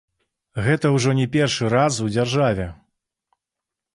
Гэта ўжо не першы раз у дзяржаве.